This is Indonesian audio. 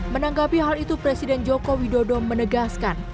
menanggapi hal itu presiden joko widodo menegaskan